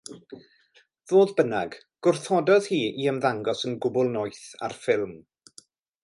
Fodd bynnag gwrthododd hi i ymddangos yn gwbl noeth ar ffilm.